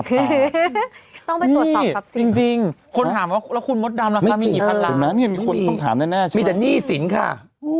เสียงนั้นมีความหมายอย่างไรบ้างค่ะ